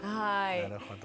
なるほど。